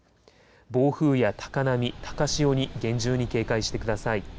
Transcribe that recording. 暴風や高波、高潮に厳重に警戒してください。